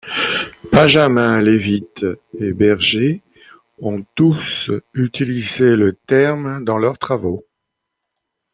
Benjamin, Leavitt, et Berger ont tous utilisé le terme dans leurs travaux.